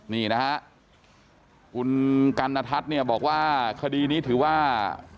นี่นะครับคุณกันนทัศน์บอกว่าคดีนี้ถือว่า